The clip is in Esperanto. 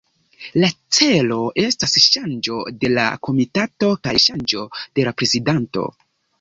La celo estas ŝanĝo de la komitato, kaj ŝanĝo de prezidanto.